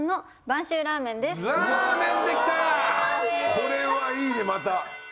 これはいいねまた。